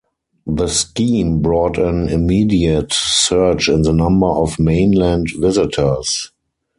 The scheme brought an immediate surge in the number of Mainland visitors.